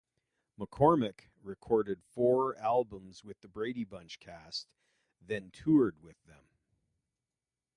McCormick recorded four albums with the "Brady Bunch" cast, and toured with them.